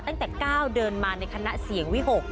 ตั้งแต่๙เดินมาในคณะเสียงวิหก